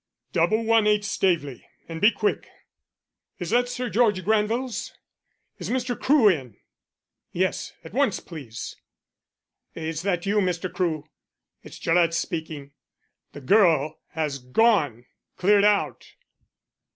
"Double one eight Staveley, and be quick. Is that Sir George Granville's? Is Mr. Crewe in? Yes, at once please. Is that you, Mr. Crewe? It's Gillett speaking. The girl has gone cleared out.